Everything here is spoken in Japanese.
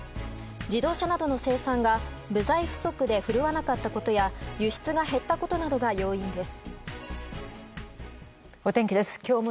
自動車などの生産が部材不足で振るわなかったことや輸出が減ったことなどが要因です。